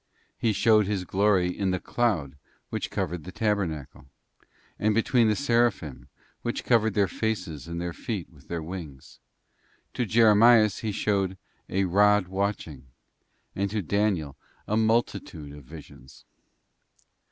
He showed His glory in the cloud which covered the tabernacle;* and between the Seraphim which covered their faces and their feet with their wings.t To Jeremias He showed 'a rod watching;'{ and to Daniel a multitude of visions.